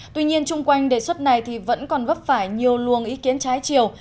tuy nhiên chung quanh đề xuất này vẫn còn gấp phải nhiều luông ý kiến trái chiều